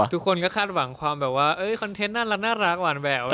ทุกคนก็คาดหวังความแบบว่าคอนเทนต์น่ารักหวานแวว